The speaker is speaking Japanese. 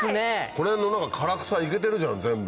この辺の唐草イケてるじゃん全部。